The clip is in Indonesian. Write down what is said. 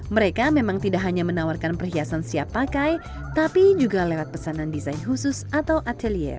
mereka memang tidak hanya menawarkan perhiasan siap pakai tapi juga lewat pesanan desain khusus atau atelier